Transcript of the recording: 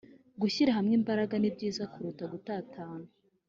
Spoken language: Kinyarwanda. Gushyira hamwe imbaraga nibyiza kuruta gutatana